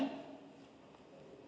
dan mencari penyelesaian